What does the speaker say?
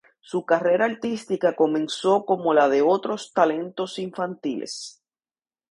Su carrera artística comenzó como la de otros talentos infantiles.